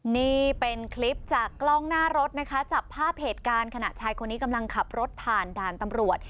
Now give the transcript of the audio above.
นี่เป็นคลิปจากกล้องหน้ารถนะคะจับภาพเหตุการณ์ขณะชายคนนี้กำลังขับรถผ่านด่านตำรวจ